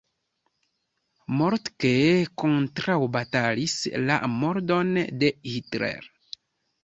Moltke kontraŭbatalis la murdon de Hitler.